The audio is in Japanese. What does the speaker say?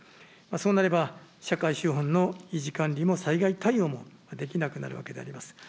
そうなれば、社会資本の維持管理も災害対応もできなくなるわけであります。